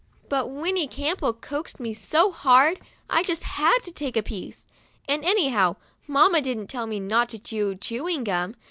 But Winnie Campbell coaxed me so hard, I just had to take a piece. And, anyhow, mamma didn't tell me not to chew chewing gum.